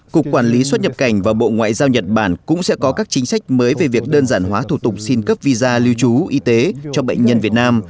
cục quản lý xuất nhập cảnh và bộ ngoại giao nhật bản cũng sẽ có các chính sách mới về việc đơn giản hóa thủ tục xin cấp visa lưu trú y tế cho bệnh nhân việt nam